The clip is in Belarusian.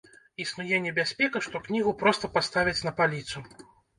Існуе небяспека, што кнігу проста паставяць на паліцу?